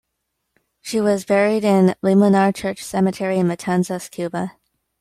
She was buried in Limonar Church Cemetery in Matanzas, Cuba.